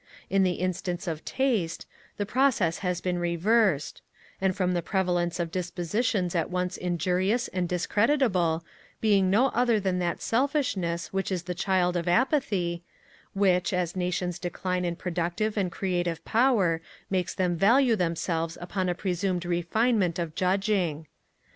In the instance of Taste, the process has been reversed; and from the prevalence of dispositions at once injurious and discreditable, being no other than that selfishness which is the child of apathy, which, as Nations decline in productive and creative power, makes them value themselves upon a presumed refinement of judging.